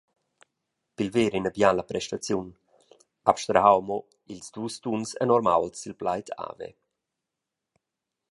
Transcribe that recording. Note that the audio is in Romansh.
Pilver ina biala prestaziun, abstrahau mo dils dus tuns enorm aults sil plaid ‘Ave’.